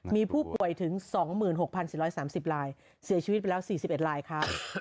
มีผู้ป่วยถึง๒๖๔๓๐ลายเสียชีวิตไปแล้ว๔๑ลายค่ะ